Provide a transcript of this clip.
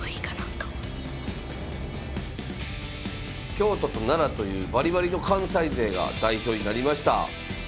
京都と奈良というバリバリの関西勢が代表になりました。